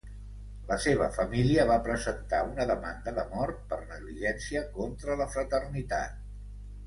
La seva família va presentar una demanda de mort per negligència contra la fraternitat.